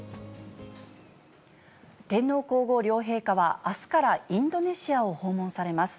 天皇皇后両陛下は、あすからインドネシアを訪問されます。